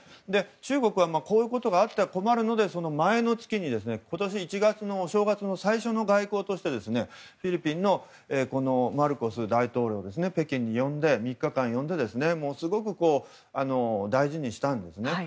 中国は、こういうことがあっては困るので今年１月のお正月の最初の外交としてフィリピンのマルコス大統領を北京に３日間呼んですごく大事にしたんですね。